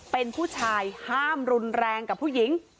เป็นผู้ชายห้ามรุนแรงกับผู้หญิง